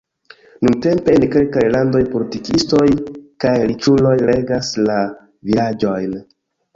Nuntempe en kelkaj landoj politikistoj kaj riĉuloj regas la vilaĝojn.